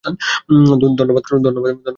ধন্যবাদ, কারুন।